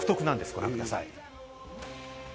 ご覧ください。